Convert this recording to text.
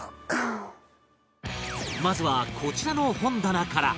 まずはこちらの本棚から